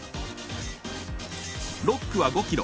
６区は５ｋｍ。